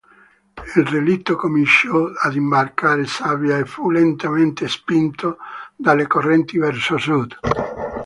Il relitto cominciò ad imbarcare sabbia e fu lentamente spinto dalle correnti verso sud.